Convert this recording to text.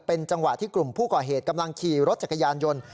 เป็นจังหวะที่กลุ่มผู้ก่อเหตุกำลังขี่รถจักรยานยนต์